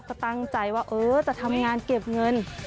ก็ตั้งใจว่าเออจะทำงานเก็บเงิน